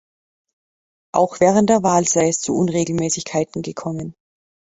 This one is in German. Auch während der Wahl sei es zu Unregelmäßigkeiten gekommen.